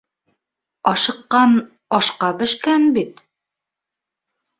Ашыҡҡан — ашҡа бешкән, бит.